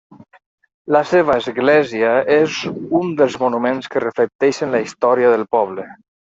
La seva església és un dels monuments que reflecteixen la història del poble.